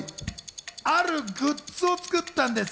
あるグッズを作ったんです。